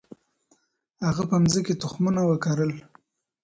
هغه په مځکي کي تخمونه وکرل.